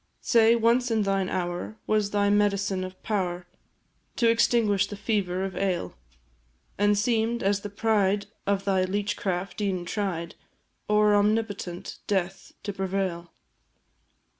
Say, once in thine hour, was thy medicine of power To extinguish the fever of ail? And seem'd, as the pride of thy leech craft e'en tried O'er omnipotent death to prevail?